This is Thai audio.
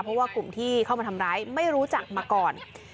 เพราะว่ากลุ่มที่เข้ามาทำร้ายไม่รู้จักมาก่อน